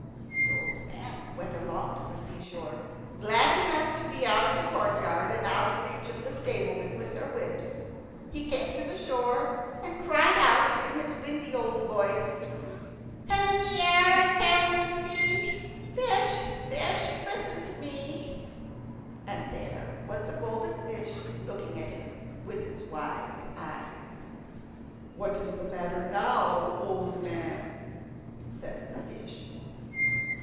The old man went along to the seashore, glad enough to be out of the courtyard and out of reach of the stablemen with their whips. He came to the shore, and cried out in his windy old voice, "Head in air and tail in sea, Fish, fish, listen to me." And there was the golden fish looking at him with its wise eyes. "What's the matter now, old man?" says the fish.